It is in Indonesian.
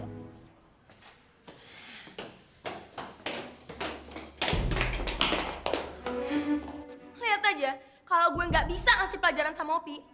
lihat aja kalau gue gak bisa ngasih pelajaran sama ngopi